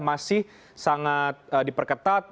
masih sangat diperketat